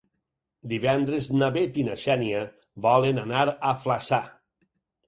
Divendres na Bet i na Xènia volen anar a Flaçà.